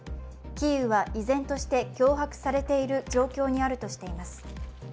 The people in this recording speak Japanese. キーウは依然として脅迫されている状況にあるとしています。